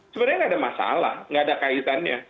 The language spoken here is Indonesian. sebenarnya tidak ada masalah tidak ada kaitannya